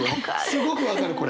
すごく分かるこれ。